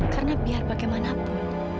karena biar bagaimanapun